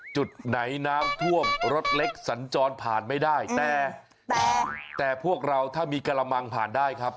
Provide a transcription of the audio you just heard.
จุดไหนน้ำท่วมรถเล็กสัญจรผ่านไม่ได้แต่แต่พวกเราถ้ามีกระมังผ่านได้ครับ